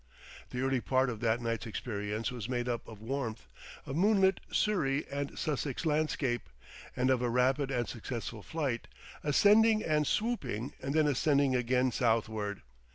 The early part of that night's experience was made up of warmth, of moonlit Surrey and Sussex landscape, and of a rapid and successful flight, ascending and swooping, and then ascending again southward.